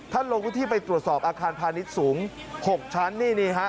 ท่านลงที่ไปตรวจสอบอาคารพาณิชย์สูง๖ชั้น